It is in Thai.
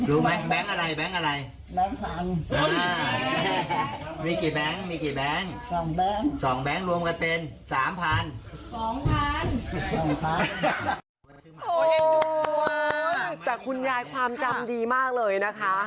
โอ้โหแต่คุณยายความจำดีมากเลยนะคะ